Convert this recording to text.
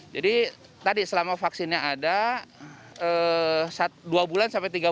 jadi tadi selama vaksinnya ada